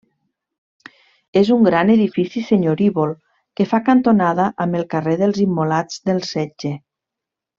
És un gran edifici senyorívol que fa cantonada amb el carrer dels Immolats del Setge.